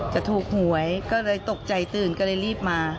จะถูกหวยก็เลยตกใจตื่นก็เลยรีบมา